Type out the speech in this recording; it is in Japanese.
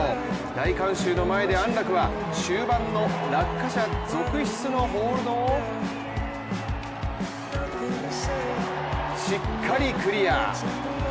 大観衆の前で安楽は終盤の落下者続出のホールドをしっかりクリア！